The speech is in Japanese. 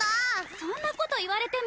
そんなこと言われても。